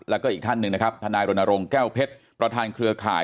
แล้วก็อีกท่านหนึ่งนะครับทนายรณรงค์แก้วเพชรประธานเครือข่าย